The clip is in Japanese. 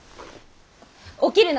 起きるな！